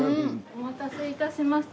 お待たせ致しました。